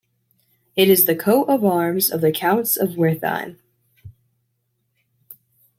It is the coat of arms of the Counts of Wertheim.